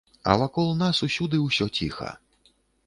А вакол нас усюды ўсё ціха.